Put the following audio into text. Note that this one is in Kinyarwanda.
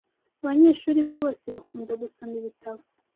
Abanyeshuri be bose bakunda gusoma ibitabo.